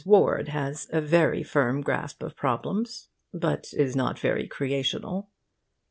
Ward has a very firm grasp of problems, but is not very creational.